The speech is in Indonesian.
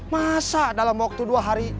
masa dalam waktu dua hari